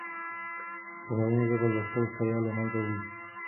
په مورنۍ ژبه لوستل ستړیا له منځه وړي.